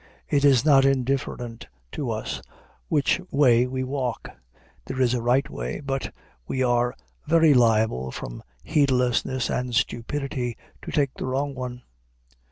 It is not indifferent to us which way we walk. There is a right way; but we are very liable from heedlessness and stupidity to take the wrong one.